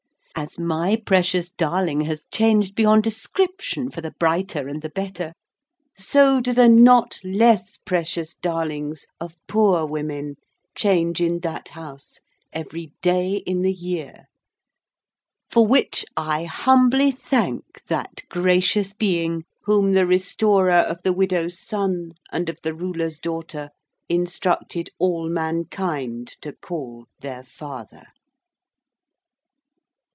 As my precious darling has changed beyond description for the brighter and the better, so do the not less precious darlings of poor women change in that House every day in the year. For which I humbly thank that Gracious Being whom the restorer of the Widow's son and of the Ruler's daughter, instructed all mankind to call their Father.